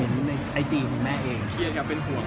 เธอว่าจะคิดจะป้อง